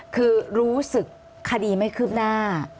คือรู้สึกคดีไม่คืบหน้า